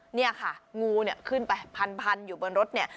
เนี่ยค่ะงูเนี่ยขึ้นไปพันอยู่บนรถเนี่ย